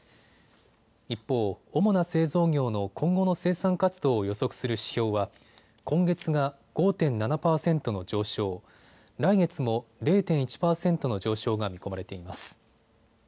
一方、主な製造業の今後の生産活動を予測する指標は今月が５．７％の上昇、来月も０．１％の上昇が見込まれています。